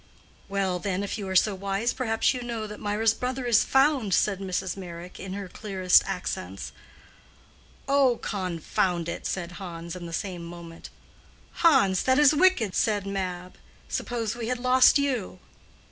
"Well, then, if you are so wise, perhaps you know that Mirah's brother is found!" said Mrs. Meyrick, in her clearest accents. "Oh, confound it!" said Hans, in the same moment. "Hans, that is wicked," said Mab. "Suppose we had lost you?"